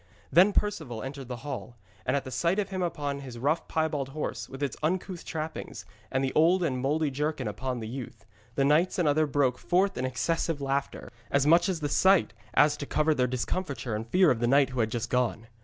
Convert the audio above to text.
Then Perceval entered the hall, and at sight of him upon his rough piebald horse, with its uncouth trappings, and the old and mouldy jerkin upon the youth, the knights and others broke forth in excessive laughter, as much at the sight as to cover their discomfiture and fear of the knight who had just gone.